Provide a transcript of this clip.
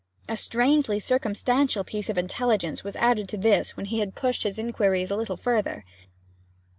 A strangely circumstantial piece of intelligence was added to this when he had pushed his inquiries a little further.